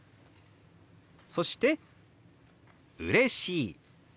そして「うれしい」。